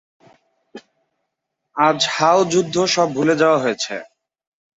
আজ হাও যুদ্ধ সব ভুলে যাওয়া হয়েছে।